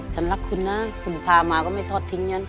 ฉันรักคุณนะคุณพามาก็ไม่ทอดทิ้งฉัน